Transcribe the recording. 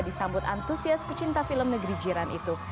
disambut antusias pecinta film negeri jiran itu